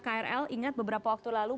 krl ingat beberapa waktu lalu